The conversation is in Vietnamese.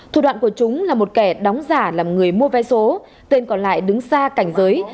thủ đoạn của chúng là một kẻ đóng giả làm người mua vé số tên còn lại đứng xa cảnh giới